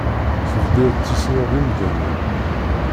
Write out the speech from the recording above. Tebdiḍ tettissineḍ imdanen.